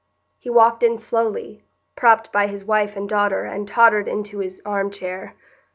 He walked in slowly, propped by his wife and daughter and tottered into his arm chair.